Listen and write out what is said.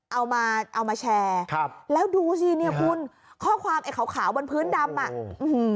เอามาแชร์แล้วดูสิเนี่ยคุณข้อความไอ้ขาวบนพื้นดำน่ะอื้อหื้อ